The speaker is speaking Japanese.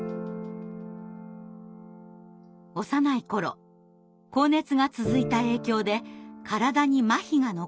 幼い頃高熱が続いた影響で体にまひが残った川崎さん。